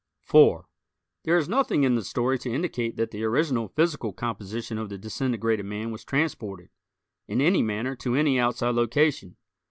4 There is nothing in the story to indicate that the original physical composition of the disintegrated man was transported, in any manner to any outside location.